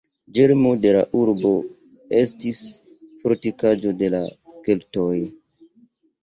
Ĝermo de la urbo estis fortikaĵo de la keltoj.